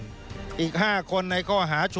ส่วนต่างกระโบนการ